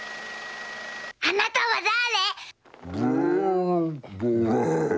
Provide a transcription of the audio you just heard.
あなたは誰？